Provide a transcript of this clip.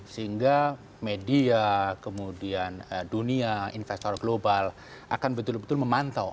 sehingga media kemudian dunia investor global akan betul betul memantau